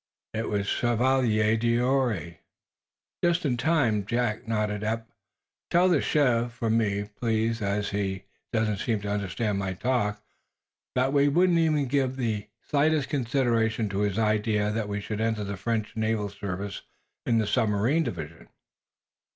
It was the Chevalier d'Ouray. "Just in time, Jack," nodded Eph. "Tell the Chev. for me, please as he doesn't seem to understand my talk, that we wouldn't even give the slightest consideration to his idea that we should enter the French naval service in the submarine division."